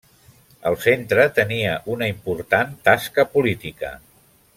El Centre tenia una important tasca política.